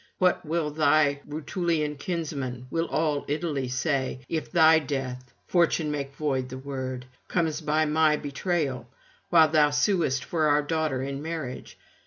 What will thy Rutulian kinsmen, will all Italy say, if thy death Fortune make void the word! comes by my betrayal, while thou suest for our daughter in marriage?